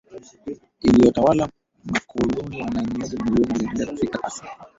iliyotawala makaloni Wahamiaji mamilioni waliendelea kufika hasa